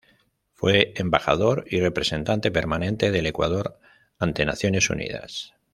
Fue Embajador y Representante Permanente del Ecuador ante Naciones Unidas.